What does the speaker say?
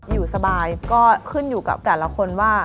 อยู่สบายก็ขึ้นอยู่กับแต่ละคนว่า